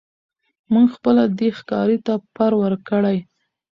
موږ پخپله دی ښکاري ته پر ورکړی